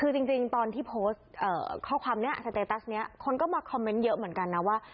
จริงตอนที่โพสต์ข้อความเนี่ยคนก็มาคอมเม้นต์เยอะเหมือนกันนะว่า